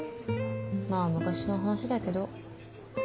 まあ昔の話だけど。